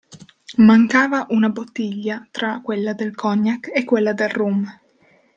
Mancava una bottiglia tra quella del cognac e quella del rum.